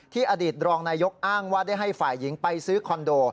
อดีตรองนายกอ้างว่าได้ให้ฝ่ายหญิงไปซื้อคอนโด